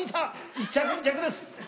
１着２着です。